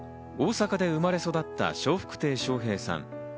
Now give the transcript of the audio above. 大阪で生まれ育った笑福亭笑瓶さん。